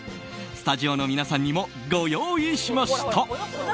スタジオの皆さんにもご用意しました。